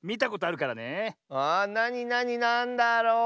あなになになんだろう？